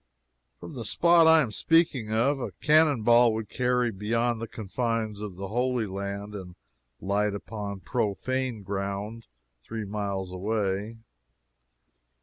From the spot I am speaking of, a cannon ball would carry beyond the confines of Holy Land and light upon profane ground three miles away.